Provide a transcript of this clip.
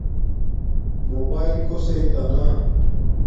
موباݵل کوسݵ تانا